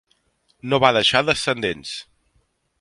No va deixar descendents.